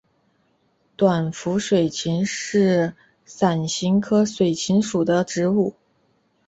短辐水芹是伞形科水芹属的植物。